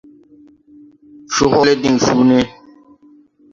Co hoole diŋ cuu nee.